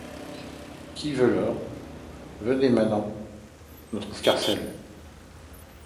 Qui veut de l’or ? Venez, manants. Notre escarcelle